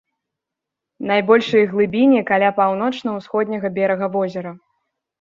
Найбольшыя глыбіні каля паўночна-ўсходняга берага возера.